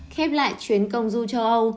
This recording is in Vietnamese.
khép lại chuyến công du châu âu